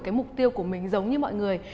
cái mục tiêu của mình giống như mọi người